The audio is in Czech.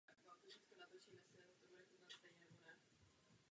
Byl považován za předního experta pro námořnictvo.